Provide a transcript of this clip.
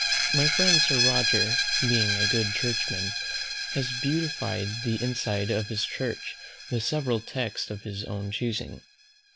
My friend Sir Roger, being a good churchman, has beautified the inside of his church with several texts of his own choosing.